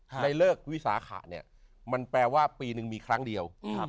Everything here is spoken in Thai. ในเลิกวิสาขะเนี่ยมันแปลว่าปีนึงมีครั้งเดียว